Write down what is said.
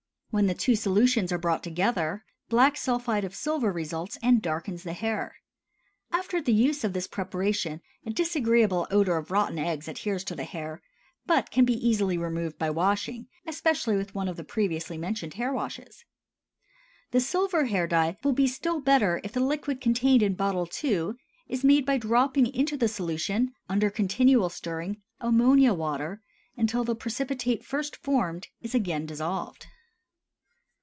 When the two solutions are brought together, black sulphide of silver results and darkens the hair. After the use of this preparation a disagreeable odor of rotten eggs adheres to the hair, but can be easily removed by washing, especially with one of the previously mentioned hair washes. The silver hair dye will be still better if the liquid contained in bottle II. is made by dropping into the solution, under continual stirring, ammonia water, until the precipitate first formed is again dissolved.